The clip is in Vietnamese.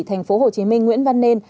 thành phố hồ chí minh nguyễn văn nên